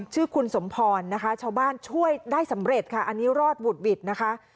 ชื่อคุณสมพรนะคะชาวบ้านช่วยได้สำเร็จค่ะอันนี้รอดหวุดหวิดนะคะ